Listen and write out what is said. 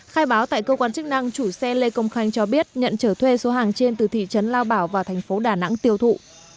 khai báo tại cơ quan chức năng chủ xe lê công khanh cho biết nhận trở thuê số hàng trên từ thị trấn lao bảo vào thành phố đà nẵng tiêu thụ